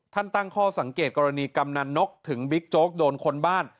ตั้งข้อสังเกตกรณีกำนันนกถึงบิ๊กโจ๊กโดนคนบ้าน